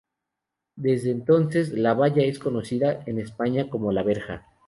Desde entonces, la valla es conocida en España como "La Verja".